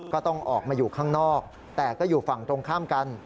ก็ต้องออกมาอยู่ข้างนอกแต่ก็อยู่ฝั่งตรงข้ามกัน